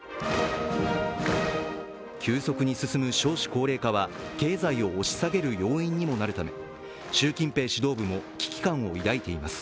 急速に進む少子高齢化は、経済を押し下げる要因にもなるため習近平指導部も危機感を抱いています。